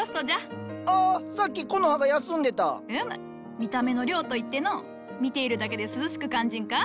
見た目の涼といってのう見ているだけで涼しく感じんか？